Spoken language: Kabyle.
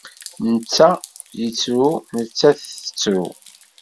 Netta yettru, nettat tettru.